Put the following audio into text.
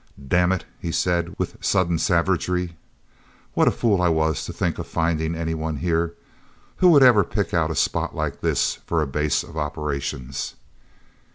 "Damn it!" he said with sudden savagery. "What a fool I was to think of finding anyone here. Who would ever pick out a spot like this for a base of operations?"